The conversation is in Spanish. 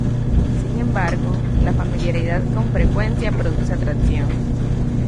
Sin embargo, la familiaridad con frecuencia produce atracción.